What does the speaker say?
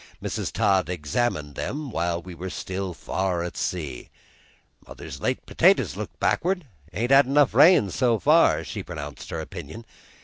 Mrs. Todd examined them while we were still far at sea. "Mother's late potatoes looks backward; ain't had rain enough so far," she pronounced her opinion.